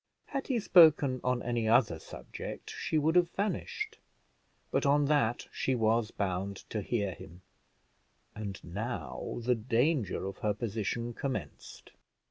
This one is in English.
Had he spoken on any other subject, she would have vanished, but on that she was bound to hear him; and now the danger of her position commenced.